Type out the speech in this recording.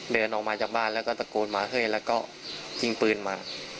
เดินออกมาจากบ้านแล้วก็ตะโกนมาเฮ้ยแล้วก็ยิงปืนมา